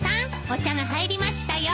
お茶が入りましたよ。